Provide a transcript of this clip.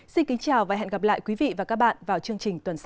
xin kính chào và hẹn gặp lại quý vị và các bạn vào chương trình tuần sau